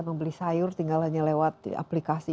membeli sayur tinggal hanya lewat aplikasi